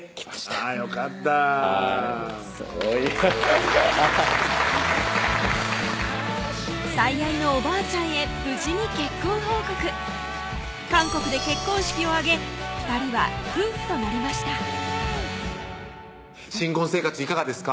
あぁよかった最愛のおばあちゃんへ無事に結婚報告韓国で結婚式を挙げ２人は夫婦となりました新婚生活いかがですか？